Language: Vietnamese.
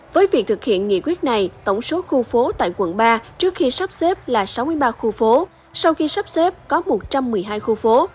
với việc thực hiện nghị quyết này tổng số khu phố tại quận ba trước khi sắp xếp là sáu mươi ba khu phố sau khi sắp xếp có một trăm một mươi hai khu phố